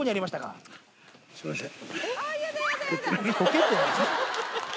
すみません。